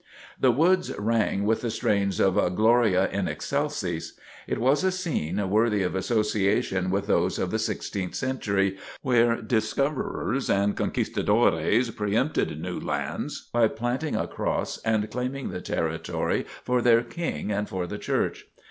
The woods rang with the strains of "Gloria in Excelsis." It was a scene worthy of association with those of the sixteenth century, where discoverers and Conquistadores preempted new lands by planting a cross and claiming the territory for their king and for the Church.